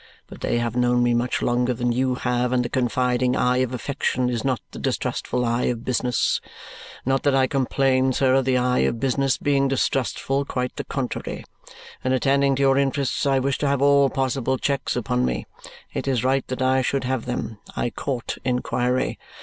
But they have known me much longer than you have, and the confiding eye of affection is not the distrustful eye of business. Not that I complain, sir, of the eye of business being distrustful; quite the contrary. In attending to your interests, I wish to have all possible checks upon me; it is right that I should have them; I court inquiry.